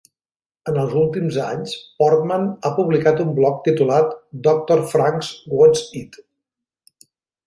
En els últims anys, Portman ha publicat un blog titulat Doctor Frank's What's-It.